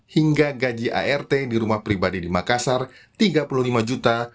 hingga gaji art di rumah pribadi di makassar rp tiga puluh lima juta